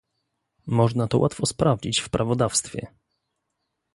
Można to łatwo sprawdzić w prawodawstwie